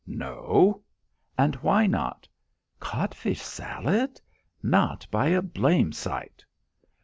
"No." "And why not?" "Cod fish salad? Not by a blame sight!"